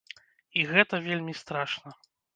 І гэта вельмі страшна!